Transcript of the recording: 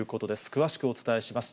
詳しくお伝えします。